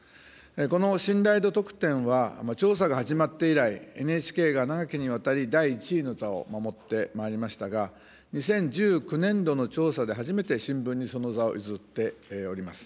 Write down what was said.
この信頼度得点は、調査が始まって以来、ＮＨＫが長きにわたり、第１位の座を守ってまいりましたが、２０１９年度の調査で初めて新聞にその座を譲っております。